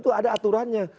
itu ada aturannya